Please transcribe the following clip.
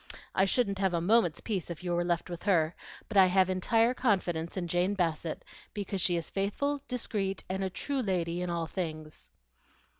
I shouldn't have a moment's peace if you were left with her, but I have entire confidence in Jane Bassett because she is faithful, discreet, and a true lady in all things."